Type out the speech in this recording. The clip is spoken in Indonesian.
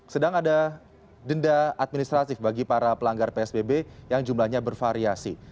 sedang ada denda administratif bagi para pelanggar psbb yang jumlahnya bervariasi